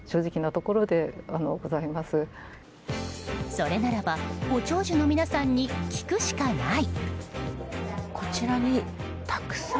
それならばご長寿の皆さんに聞くしかない！